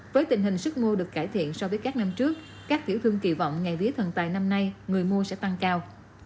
với tình hình sức mua được cải thiện so với các năm trước các tiểu thương kỳ vọng ngày vía thần tài năm nay người mua sẽ tăng cao